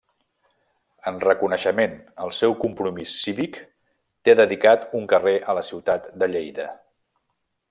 En reconeixement al seu compromís cívic té dedicat un carrer a la ciutat de Lleida.